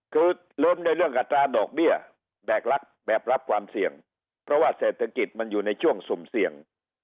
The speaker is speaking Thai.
คือลุ้นในเรื่องอัตราดอกเบี้ยแบกรักแบบรับความเสี่ยงเพราะว่าเศรษฐกิจมันอยู่ในช่วงสุ่มเสี่ยง